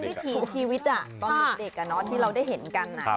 มันเป็นวิธีชีวิตอ่ะตอนเด็กเนอะที่เราได้เห็นกันอ่ะ